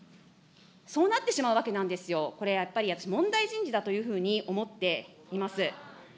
そうなってしまうわけなんですよ、これ、やっぱり私、問題人事だというふうに思っています。